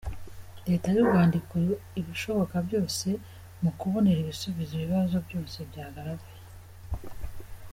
Leta y’u Rwanda ikora ibishoboka byose mu kubonera ibisubizo ibibazo byose byagaragaye.